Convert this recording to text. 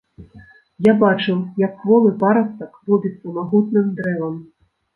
Я бачыў, як кволы парастак робіцца магутным дрэвам.